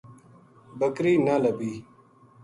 بکری نہ لبھی